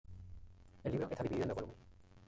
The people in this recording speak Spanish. El libro está dividido en dos volúmenes.